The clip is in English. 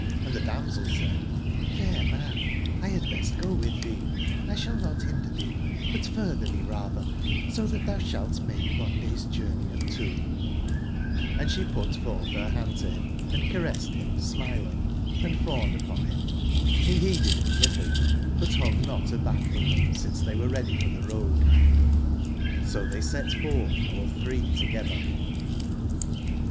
Hnd tbe damsel said: ''fair man, X bad bestgowitbtbee;X6ballnotbindertbee, butfurtber tbee ratber, so tbat tbou sbalt make one day's jour ney of two^j^Hnd sbe put fortb ber band to bim, and caressed bim smiling, & fawned upon bim, and be beeded it little, but bung not aback from tbem since tbey were ready for tbe road : so tbey set fortb alltbrc e togetber.